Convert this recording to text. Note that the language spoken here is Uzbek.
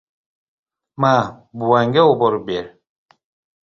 — Ma, buvangga oborib ber.